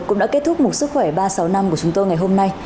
cũng đã kết thúc một sức khỏe ba sáu năm của chúng tôi ngày hôm nay